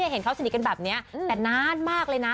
เห็นเขาสนิทกันแบบนี้แต่นานมากเลยนะ